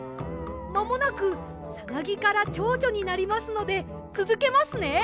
まもなくサナギからチョウチョになりますのでつづけますね。